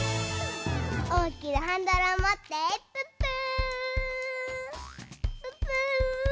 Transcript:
おおきなハンドルをもってプップープップー！